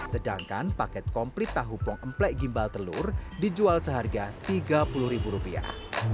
sedangkan paket komplit tahu pong emplek gimbal telur dijual seharga tiga puluh ribu rupiah